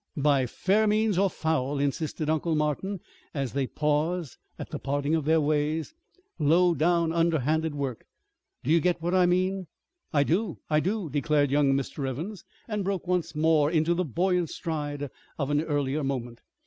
"By fair means or foul," insisted Uncle Martin as they paused at the parting of their ways. "Low down, underhanded work do you get what I mean?" "I do, I do!" declared young Mr. Evans and broke once more into the buoyant stride of an earlier moment.